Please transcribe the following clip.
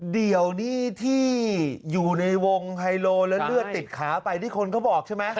เดี๋ยวนี้ที่อยู่ในวงไฮโลแล้วเลือดติดขาไปนี่คนเขาบอกใช่ไหม